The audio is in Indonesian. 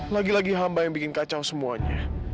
lagi lagi hamba yang bikin kacau semuanya